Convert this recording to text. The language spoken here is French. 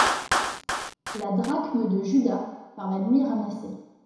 La drachme de Judas, par la nuit ramassée